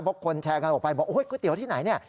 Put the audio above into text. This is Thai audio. เพราะคนแชร์กันออกไปบอกก๋วยเตี๋ยวที่ไหนเนี่ย